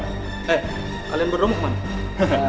eh kalian beromok mana